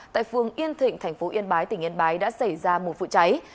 tại phường yên thịnh thành phố yên bái tỉnh yên bái đã xảy ra một vụ cháy